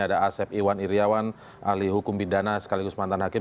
ada asep iwan iryawan ahli hukum pidana sekaligus mantan hakim